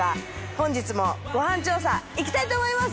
本日もご飯調査行きたいと思います！